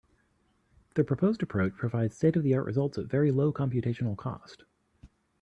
The proposed approach provides state-of-the-art results at very low computational cost.